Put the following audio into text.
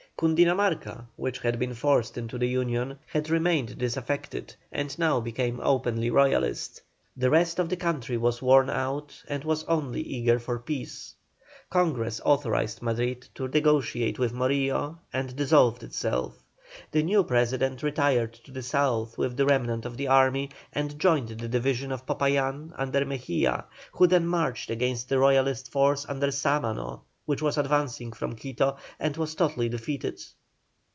Cundinamarca, which had been forced into the Union, had remained disaffected, and now became openly Royalist. The rest of the country was worn out, and was only eager for peace. Congress authorised Madrid to negotiate with Morillo, and dissolved itself. The new President retired to the South with the remnant of the army, and joined the division of Popayán under Mejia, who then marched against a Royalist force under Sámano, which was advancing from Quito, and was totally defeated.